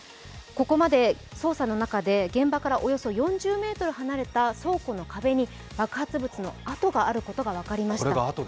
ここまで操作の中で現場からおよそ４０ｍ離れた倉庫の壁に爆発物の跡があることが分かりました。